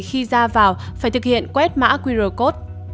khi ra vào phải thực hiện quét mã qr code